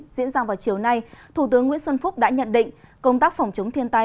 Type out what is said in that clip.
diễn ra vào chiều nay thủ tướng nguyễn xuân phúc đã nhận định công tác phòng chống thiên tai